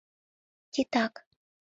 «Титак!